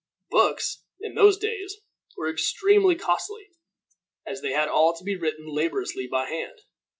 Books, in those days, were extremely costly, as they had all to be written laboriously by hand.